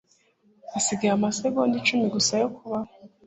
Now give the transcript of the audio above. Hasigaye amasegonda icumi gusa yo kubaho.